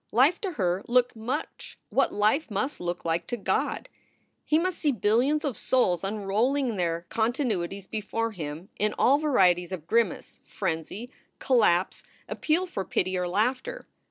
Life to her looked much what life must look like to God. He must see billions of souls unrolling their continuities before him in all varieties of grimace, frenzy, collapse, appeal for pity or laughter.